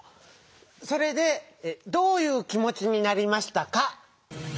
それでどういう気もちになりましたか？